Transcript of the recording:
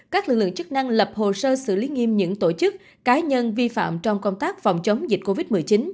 các lực lượng chức năng lập hồ sơ xử lý nghiêm những tổ chức cá nhân vi phạm trong công tác phòng chống dịch covid một mươi chín